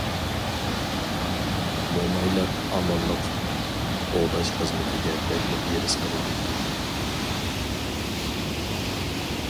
مومايلار ئامانلىق قوغداش خىزمىتىگە بەكمۇ ھېرىسمەن ئىدى.